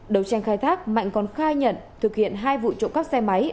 đầu tranh khai thác mạnh còn khai nhận thực hiện hai vụ trộm cắp xe máy